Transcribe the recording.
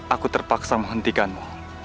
aku terpaksa menghentikanmu